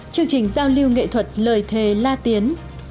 chương trình giao lưu nghệ thuật lời thề la tiến